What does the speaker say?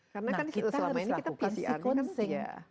karena kan selama ini kita pcr kan itu tidak